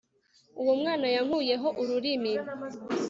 Uwo mwana yankuyeho ururimi